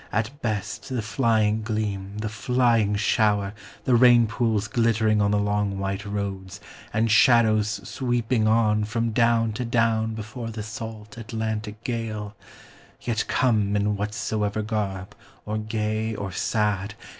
At best, the flying gleam, the flying shower, The rainpools glittering on the long white roads, And shadows sweeping on from down to down Before the salt Atlantic gale : yet come In whatsoever garb, or gay, or sad.